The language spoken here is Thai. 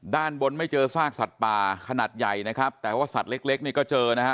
ด้านบนไม่เจอซากสัตว์ป่าขนาดใหญ่นะครับแต่ว่าสัตว์เล็กเล็กนี่ก็เจอนะฮะ